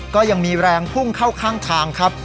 ก็ยังมีแรงพุ่งเข้าข้างทางครับ